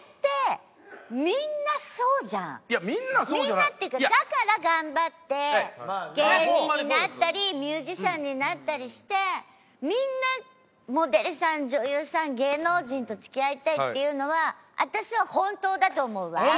みんなっていうかだから頑張って芸人になったりミュージシャンになったりしてみんなモデルさん女優さん芸能人と付き合いたいっていうのは私は本当だと思うわ。